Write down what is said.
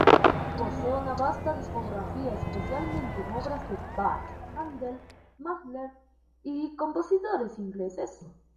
Posee una vasta discografía especialmente en obras de Bach, Handel, Mahler y compositores ingleses.